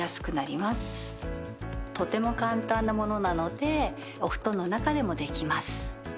とても簡単なものなのでお布団の中でもできます。